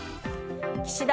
岸田